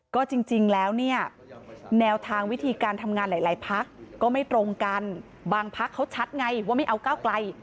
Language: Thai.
ก็จริงแล้วเนี่ยแนวทางวิธีการทำงานหลายพักก็ไม่ตรงกันบางพักเขาชัดไงว่าไม่เอาก้าวไกล